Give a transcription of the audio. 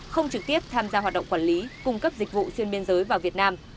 không trực tiếp tham gia hoạt động quản lý cung cấp dịch vụ xuyên biên giới vào việt nam